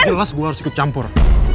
jelas gue harus ikut campur